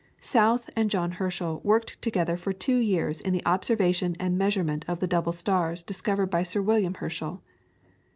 South and John Herschel worked together for two years in the observation and measurement of the double stars discovered by Sir William Herschel.